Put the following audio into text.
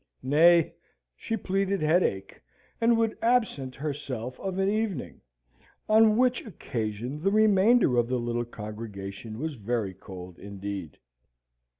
Nay, she pleaded headache, and would absent herself of an evening, on which occasion the remainder of the little congregation was very cold indeed.